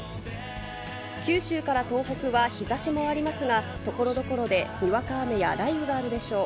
九州から東北は日ざしもありますが、ところどころでにわか雨や雷雨があるでしょう。